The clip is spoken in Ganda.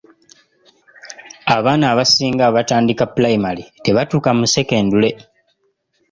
Abaana abasinga abatandika pulayimale tebatuuka mu sekendule.